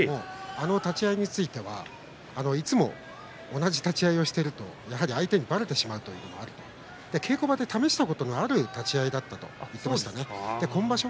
立ち合いについては、いつも同じ立ち合いをしているので相手にばれてしまうので稽古場で試したことのある立ち合いだったということを話しています。